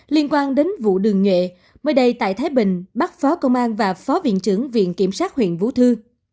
liên quan đến vụ đường nhuệ mới đây tại thái bình bắt phó công an và phó viện trưởng viện kiểm sát huyện vũ thư